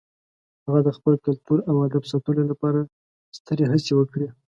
هغه د خپل کلتور او ادب ساتلو لپاره سترې هڅې وکړې.